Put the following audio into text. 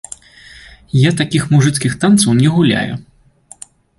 Я такіх мужыцкіх танцаў не гуляю.